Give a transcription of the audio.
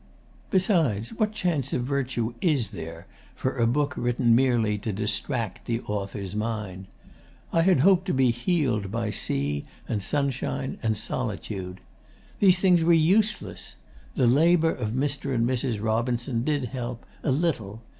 Besides, what chance of virtue is there for a book written merely to distract the author's mind? I had hoped to be healed by sea and sunshine and solitude. These things were useless. The labour of "Mr. and Mrs. Robinson" did help, a little.